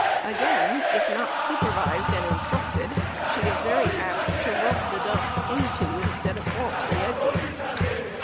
Again, if not supervised and instructed, she is very apt to rub the dust into, instead of off, the edges.